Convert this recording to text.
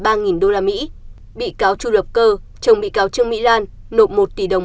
bị cáo trương mỹ lan cháu gái của bị cáo trương mỹ lan nộp một tỷ đồng